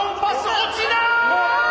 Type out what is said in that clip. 落ちない！